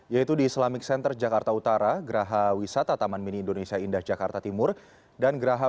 yaitu di islamic center jakarta utara geraha wisata taman mini indonesia indah jakarta timur dan geraha